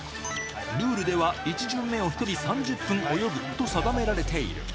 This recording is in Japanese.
ルールでは、１巡目を１人３０分泳ぐと定められている。